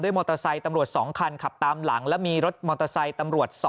มอเตอร์ไซค์ตำรวจ๒คันขับตามหลังแล้วมีรถมอเตอร์ไซค์ตำรวจ๒